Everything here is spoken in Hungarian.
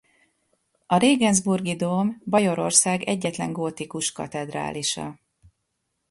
A regensburgi dóm Bajorország egyetlen gótikus katedrálisa.